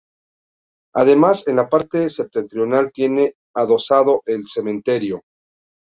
Además, en la parte septentrional tiene adosado el cementerio.